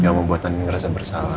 gak mau buat andin ngerasa bersalah